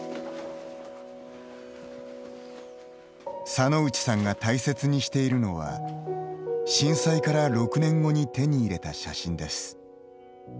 佐野内さんが大切にしているのは震災から６年後に手に入れた写真です。